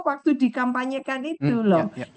waktu di kampanyekan itu loh